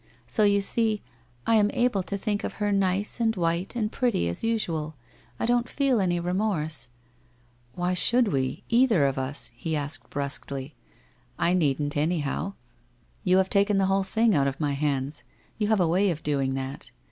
So you see, I am able to think of her nice and white and pretty as usual. I don't feel any remorse '' Why should we, cither of us ?' he asked brusquely. * I needn't, anyhow. You have taken the whole thing out of my hands. You have a way of doing that.